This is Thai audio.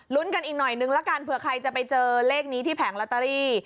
กันอีกหน่อยนึงละกันเผื่อใครจะไปเจอเลขนี้ที่แผงลอตเตอรี่